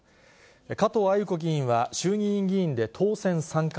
加藤鮎子議員は、衆議院議員で当選３回。